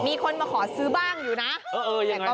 มีคนมาขอซื้อบ้างอยู่นะ